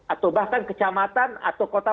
atau bahkan kecamatan atau kota